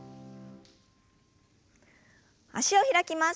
脚を開きます。